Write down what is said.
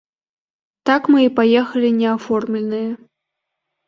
Так мы і паехалі неаформленыя.